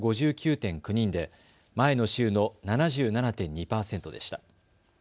人で前の週の７７．２％でした。